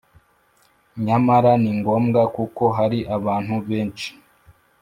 nyamara ni ngombwa, kuko hari abantu benshi